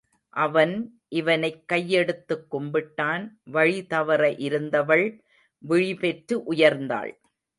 அவன் இவனைக் கையெடுத்துக் கும்பிட்டான் வழி தவற இருந்தவள் விழிபெற்று உயர்ந்தாள்.